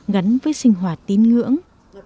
gắn với sinh hoạt tín ngưỡng